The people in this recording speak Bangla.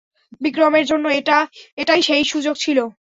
বিক্রমের জন্য এটাই সেই সুযোগ ছিল।